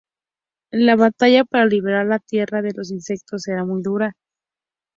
La batalla para liberar la tierra de los insectos será muy dura.